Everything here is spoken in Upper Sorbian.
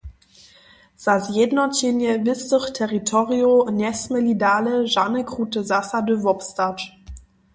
Za zjednoćenje wěstych teritorijow njesměli dale žane krute zasady wobstać.